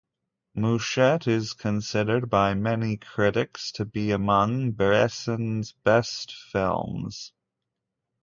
"Mouchette" is considered by many critics to be among Bresson's best films.